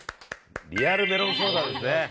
リアルメロンソーダですね。